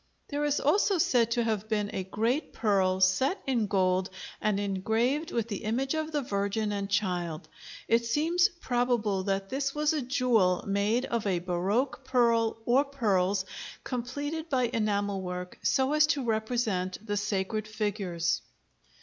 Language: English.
There is also said to have been a great pearl, set in gold, and engraved with the image of the Virgin and Child. It seems probable that this was a jewel made of a baroque pearl, or pearls, completed by enamel work so as to represent the sacred figures.